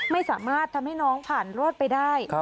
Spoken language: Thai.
ไม่สามารถทำให้น้องผ่านรอดไปได้